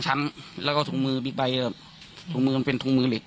ชั้นแล้วก็ทุ่งมือบีไปแบบทุ่งมือมันเป็นทุ่งมือเหล็ก